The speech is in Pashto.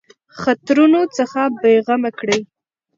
خطرونو څخه بېغمه کړي.